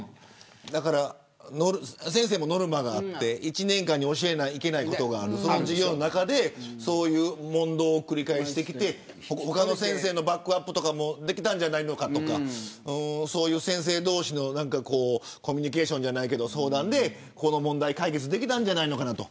先生もノルマがあって１年間に教えないといけないことがあるその授業の中で問答を繰り返して他の先生のバックアップもできたんじゃないかとか先生同士のコミュニケーションじゃないけど相談で、この問題は解決できたんじゃないかと。